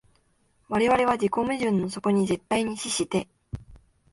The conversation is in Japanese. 我々は自己矛盾の底に絶対に死して、